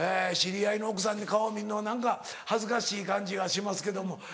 知り合いの奥さんの顔見るのは何か恥ずかしい感じがしますけども。